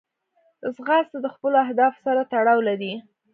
ځغاسته د خپلو اهدافو سره تړاو لري